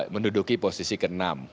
menduduki posisi ke enam